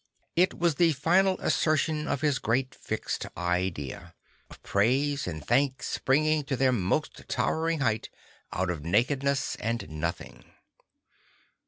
I t was the final assertion of his great fixed idea; of praise and thanks springing to their most towering height out of nakedness and nothing.